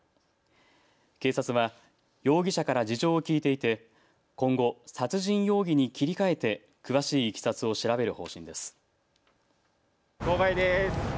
警察は容疑者から事情を聞いていて今後、殺人容疑に切り替えて詳しいいきさつを調べる方針です。